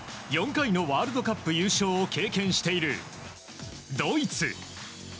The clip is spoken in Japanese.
４回のワールドカップ優勝を経験しているドイツ。